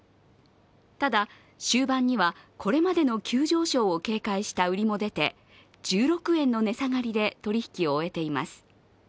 ただ、終盤にはこれまでの急上昇を警戒した売りも出て、１６円の値下がりで取り引きを終えています。